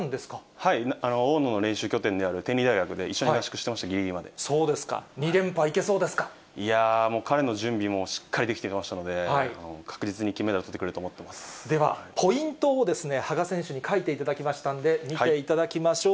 はい、大野の練習拠点である天理大学で一緒に合宿してました、ぎりぎりそうですか、２連覇いけそういやー、もう彼の準備、しっかり出来てましたので、確実に金メダルをとってくれるとでは、ポイントを羽賀選手に書いていただきましたんで、見ていただきましょう。